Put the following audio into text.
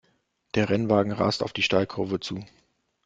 Der Rennwagen rast auf die Steilkurve zu.